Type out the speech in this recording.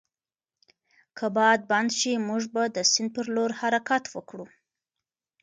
که باد بند شي، موږ به د سیند پر لور حرکت وکړو.